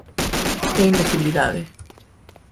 Que imbecilidade.